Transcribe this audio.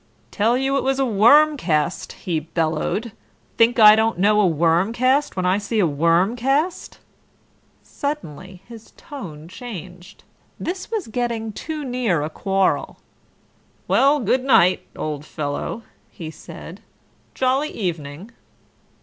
"Tell you it was a worm cast," he bellowed. "Think I don't know a worm cast when I see a worm cast?" Suddenly his tone changed; this was getting too near a quarrel. "Well, good night, old fellow," he said. "Jolly evening."